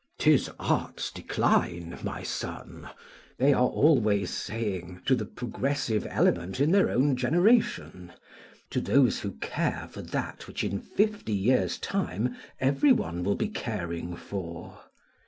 "'Tis art's decline, my son!" they are always saying, to the progressive element in their own generation; to those who care for that which in fifty years' time every one will be caring for.